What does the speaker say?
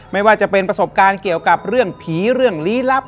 ไม่ว่าจะเป็นประสบการณ์เกี่ยวกับเรื่องผีเรื่องลี้ลับ